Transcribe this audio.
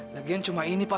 lagian cuma ini pak